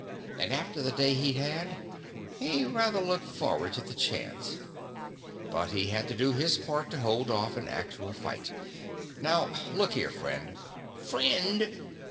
And after the day he'd had, he rather looked forward to the chance. But he had to do his part to hold off an actual fight. "Now look here, friend " "Friend?"